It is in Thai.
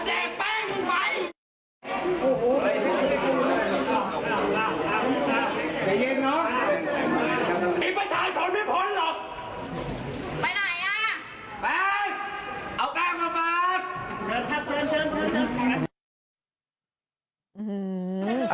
แป๊งเอาแป๊งลงมา